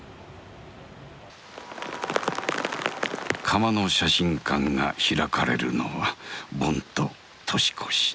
「釜の写真館」が開かれるのは盆と年越し。